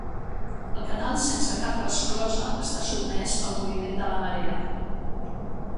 El canal sense cap resclosa està sotmès al moviment de la marea.